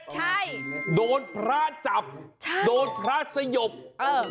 ใช่โดนพระจับโดนพระสยบโอ้โห